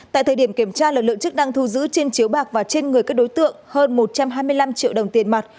tại thời điểm kiểm tra lực lượng chức năng thu giữ trên chiếu bạc và trên người các đối tượng hơn một trăm hai mươi năm triệu đồng tiền mặt